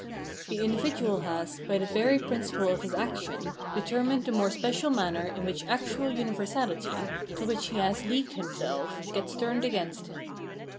The individual has, by the very principle of his action, determined the more special manner in which actual universality, to which he has leagued himself, gets turned against him.